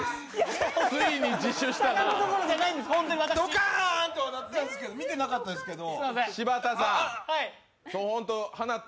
ドカーンとは鳴ってましたけど、見てなかったですけど。